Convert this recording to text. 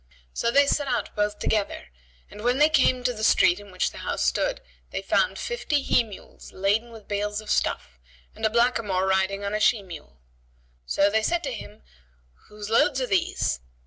So they set out both together and, when they came to the street in which the house stood, they found fifty he mules laden with bales of stuffs, and a blackamoor riding on a she mule. So they said to him, "Whose loads are these?"